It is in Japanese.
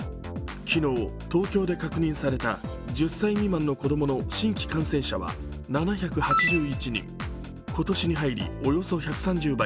昨日、東京で確認された１０歳未満の子供の新規感染者は７８１人今年に入り、およそ１３０倍。